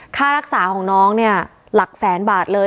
ค่ารักษาของน้องเนี่ยหลักแสนบาทเลย